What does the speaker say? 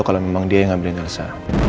kalau memang dia yang ngambilin elsa